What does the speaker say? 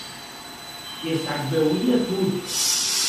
Que s’ac beuie tot.